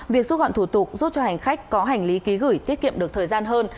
việc rút gọn thủ tục giúp cho hành khách có hành lý ký gửi tiết kiệm được thời gian hơn